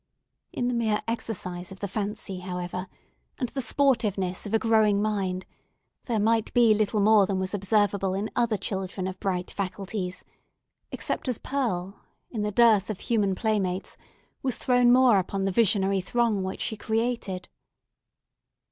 In the mere exercise of the fancy, however, and the sportiveness of a growing mind, there might be a little more than was observable in other children of bright faculties; except as Pearl, in the dearth of human playmates, was thrown more upon the visionary throng which she created.